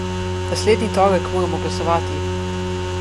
Naslednji torek moramo glasovati.